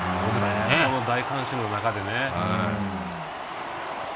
この大観衆の中でね。